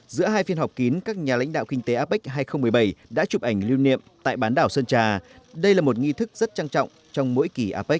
giữa hai phiên họp kín các nhà lãnh đạo kinh tế apec hai nghìn một mươi bảy đã chụp ảnh lưu niệm tại bán đảo sơn trà đây là một nghi thức rất trang trọng trong mỗi kỳ apec